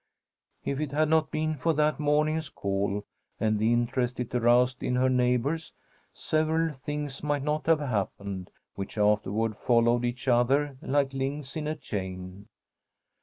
If it had not been for that morning's call, and the interest it aroused in her neighbours, several things might not have happened, which afterward followed each other like links in a chain.